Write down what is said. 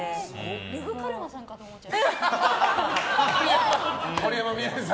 呂布カルマさんかと思っちゃいました。